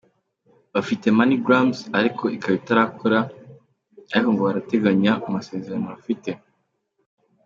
Bafite “Money Grams”, ariko ikaba itarakora ariko ngo barayiteganya mu masezerano bafite.